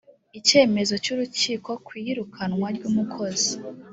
icyemezo cy’urukiko ku iyirukanwa ry’umukozi